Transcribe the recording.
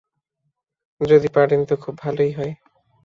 যদি পারেন তো খুব ভালই হয়।